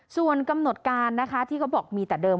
ส่วนกำหนดการนะคะที่เขาบอกมีแต่เดิม